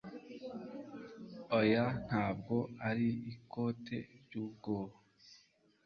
oya, ntabwo ari ikote ry'ubwoya